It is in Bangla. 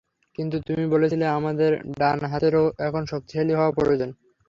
কিন্তু তুমি বলছিলে আমাদের ডান হাতেরও এখন শক্তিশালী হওয়া প্রয়োজন।